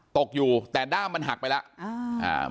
ตกอยู่แต่ด้ามมันหักไปแล้ว